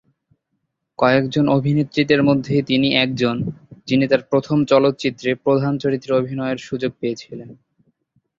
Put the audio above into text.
কয়েকজন অভিনেত্রীদের মধ্যে তিনি একজন যিনি তার প্রথম চলচ্চিত্রে প্রধান চরিত্রে অভিনয়ের সুযোগ পেয়েছিলেন।